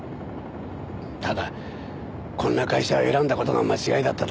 ただこんな会社を選んだ事が間違いだっただけだ。